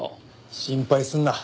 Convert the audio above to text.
心配すんな。